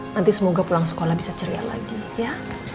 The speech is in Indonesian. nanti semoga pulang sekolah bisa ceria lagi ya